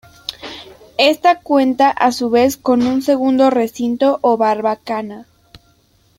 Esta cuenta, a su vez, con un segundo recinto o barbacana.